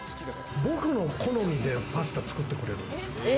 僕の好みでパスタ作ってくれるんですよ。